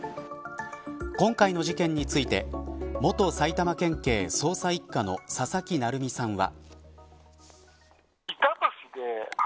今回の事件について元埼玉県警捜査一課の佐々木成三さんは。